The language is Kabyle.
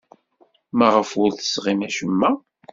Maɣef ur d-tesɣim acemma?